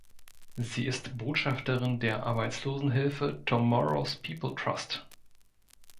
Sie ist Botschafterin der Arbeitslosenhilfe Tomorrow's People Trust.